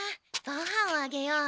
ごはんをあげよう。